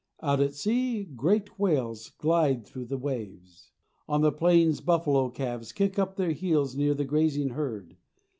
Out at sea great whales glide through the waves. On the plains buffalo calves kick up their heels near the grazing herd.